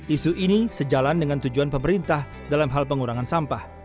isu ini sejalan dengan tujuan pemerintah dalam hal pengurangan sampah